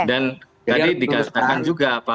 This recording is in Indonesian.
dan tadi dikatakan juga pak